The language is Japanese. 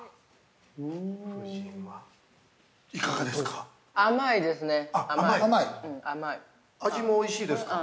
いかがですか。